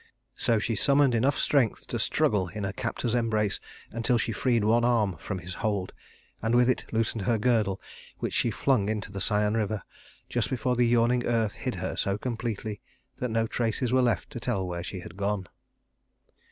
So she summoned enough strength to struggle in her captor's embrace until she freed one arm from his hold, and with it loosened her girdle, which she flung into the Cyane River just before the yawning earth hid her so completely that no traces were left to tell where she had gone.